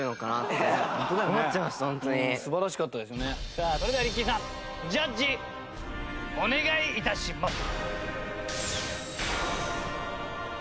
さあそれではＲＩＣＫＹさんジャッジお願い致します。